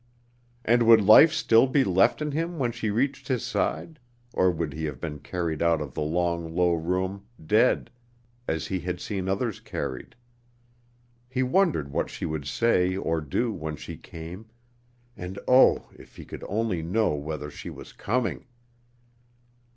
And would life still be left in him when she reached his side; or would he have been carried out of the long, low room, dead, as he had seen others carried? He wondered what she would say or do when she came, and oh! if he could only know whether she was coming!